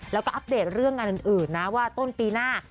แล้วก็อัปเดตเรื่องงานอื่นนะว่าต้นปีหน้า